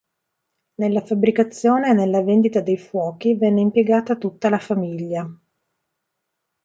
Nella fabbricazione e nella vendita dei fuochi venne impiegata tutta la famiglia.